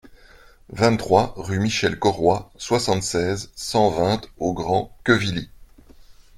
vingt-trois rue Michel Corroy, soixante-seize, cent vingt au Grand-Quevilly